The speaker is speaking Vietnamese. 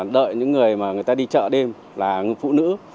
đợi những người mà người ta đi chợ đêm là người phụ nữ